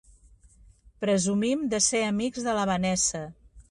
Presumim de ser amics de la Vanessa.